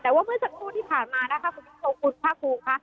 แต่เมื่อสักครู่ที่ผ่านมาภาคกรูป